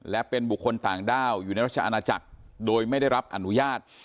และเป็นบุคคลต่างด้าวอยู่ในรัชอาณาจักรโดยไม่ได้รับอนุญาต